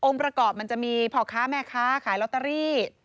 ประกอบมันจะมีพ่อค้าแม่ค้าขายลอตเตอรี่